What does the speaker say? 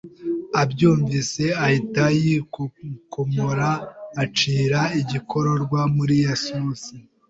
abyumvise ahita yikokomora acira igikororwa muri ya sosi